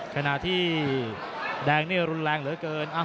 ขณะที่แดงนี่รุนแรงเหลือเกิน